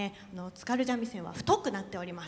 津軽三味線は太くなっております。